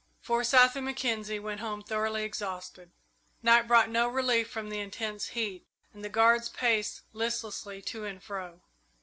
Forsyth and Mackenzie went home thoroughly exhausted. Night brought no relief from the intense heat, and the guards paced listlessly to and fro.